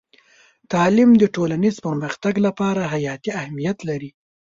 تعلیم د ټولنیز پرمختګ لپاره حیاتي اهمیت لري.